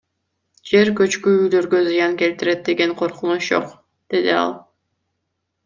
Жер көчкү үйлөргө зыян келтирет деген коркунуч жок, — деди ал.